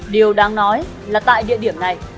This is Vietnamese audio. điều đáng nói là tại địa điểm này